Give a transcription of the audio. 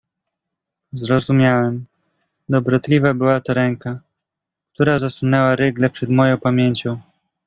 "Zrozumiałem: dobrotliwa była to ręka, która zasunęła rygle przed moją pamięcią."